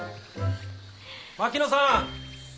・槙野さん！